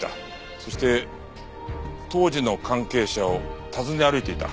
そして当時の関係者を訪ね歩いていた。